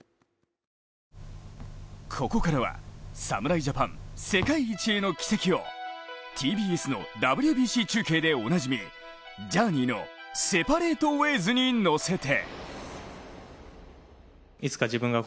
ここからは、侍ジャパン世界一への軌跡をＴＢＳのＷＢＣ中継でおなじみ、ジャーニーの「セパレート・ウェイズ」に乗せて。